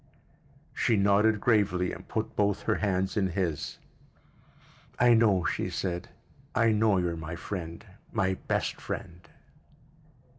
She nodded gravely and put both her hands in his. "I know," she said. "I know you're my friend, my best friend."